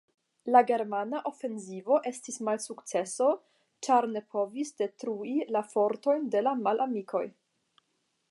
La germana ofensivo estis malsukceso, ĉar ne povis detrui la fortojn de la malamikoj.